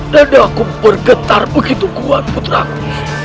dari aku bergetar begitu kuat putraku